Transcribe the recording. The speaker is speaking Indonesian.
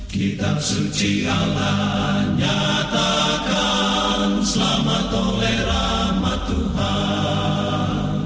kitab suci allah nyatakan selamat oleh rahmat tuhan